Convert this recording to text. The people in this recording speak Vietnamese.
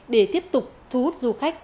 để tiếp tục thu hút du khách